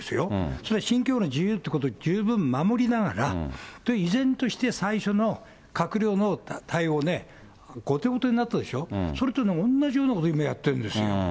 そりゃ、信教の自由っていうことを十分守りながら、依然として最初の閣僚の対応、後手後手になったでしょ、それと同じようなこと今やってるんですよ。